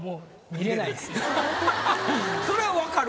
それは分かる？